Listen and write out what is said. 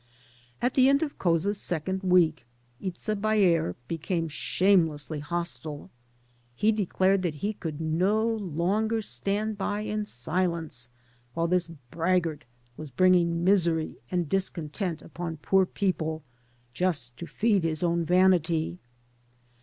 At the end of Couza's second week Itza Baer became shamelessly hostile. He declared that he could no longer stand by in sUence while "this braggart" was bringing misery and discontent upon poor people just to feed his own vanity.